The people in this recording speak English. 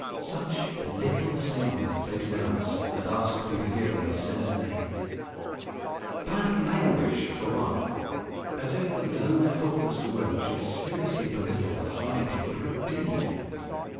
Such little sins as they denounce, and ask to be forgiven in the sinner's name! Bad language, for one; as if the low thoughtless word should seriously belittle the high deliberate deed!